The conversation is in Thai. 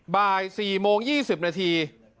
บ่าย๔โมง๒๐นาที